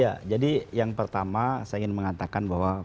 ya jadi yang pertama saya ingin mengatakan bahwa